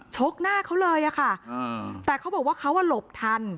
ชกหน้าเขาเลยอะค่ะแต่เขาบอกว่าเขาอ่ะหลบทัน